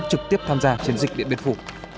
trực tiếp tham gia làm nên chiến thắng điện biên phủ